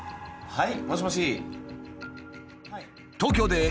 はい。